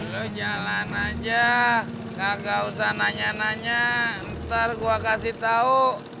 lo jalan aja kak gak usah nanya nanya ntar gua kasih tau